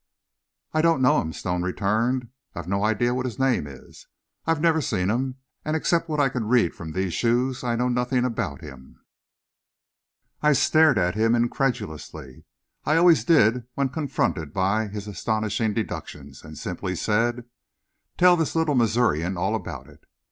"I don't know him," Stone returned; "I've no idea what his name is, I've never seen him, and except what I can read from these shoes I know nothing about him." I stared at him incredulously, as I always did when confronted by his astonishing "deductions," and simply said, "Tell this little Missourian all about it."